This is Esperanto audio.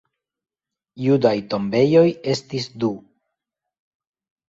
Judaj tombejoj estis du.